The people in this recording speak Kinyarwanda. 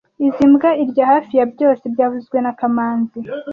Izoi mbwa irya hafi ya byose byavuzwe na kamanzi